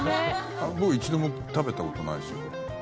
僕一度も食べたことないですよ。